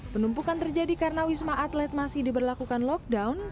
penumpukan terjadi karena wisma atlet masih diberlakukan lockdown